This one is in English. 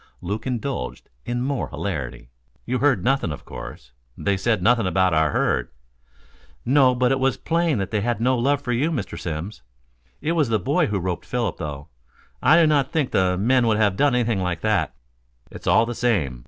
Luke indulged in more hilarity. "You heard nothing, of course they said nothing about our herd " "No, but it was plain that they had no love for you, Mr. Simms. It was the boy who roped Philip, though. I do not think the men would have done anything like that." "It's all the same.